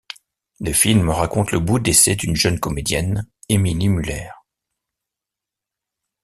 Le film raconte le bout d'essai d'une jeune comédienne, Émilie Muller.